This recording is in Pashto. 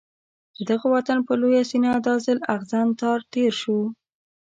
د دغه وطن پر لویه سینه دا ځل اغزن تار تېر شو.